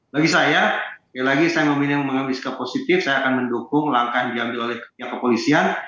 bagi saya sekali lagi saya memilih mengambil sikap positif saya akan mendukung langkah yang diambil oleh pihak kepolisian